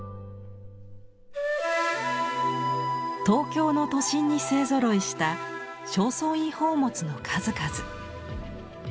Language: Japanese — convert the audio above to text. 東京の都心に勢ぞろいした正倉院宝物の数々。